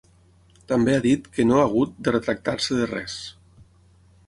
També ha dit que no hagut de ‘retractar-se de res’.